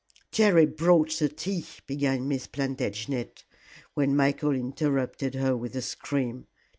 "Jerry brought the tea," began Miss Plantagenet, when Michael interrupted her with a scream.